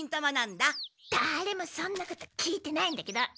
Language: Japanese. だれもそんなこと聞いてないんだけど。